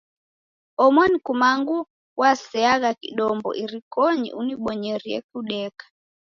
Omoni kumangu waseagha kidombo irikonyi unibonyerie kudeka.